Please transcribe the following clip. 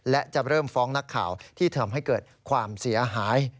และจะเริ่มฟ้องนักข่าวที่ทำให้เกิดความเสียหาย